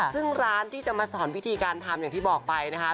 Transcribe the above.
ซึ่งร้านที่จะมาสอนวิธีการทำอย่างที่บอกไปนะคะ